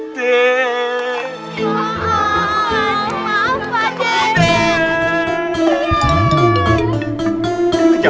dan itusorry kagetnya